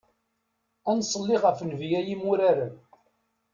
Ad nṣelli ɣef Nnbi, ay imuraren.